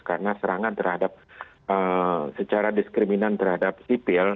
karena serangan terhadap secara diskriminan terhadap sipil